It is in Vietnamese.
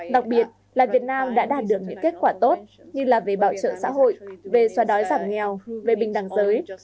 đặc biệt là việt nam đã đạt được những kết quả tốt như là về bảo trợ xã hội về xóa đói giảm nghèo về bình đẳng giới